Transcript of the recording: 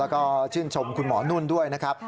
แล้วก็ชื่นชมคุณหมอนุ่นด้วยนะครับ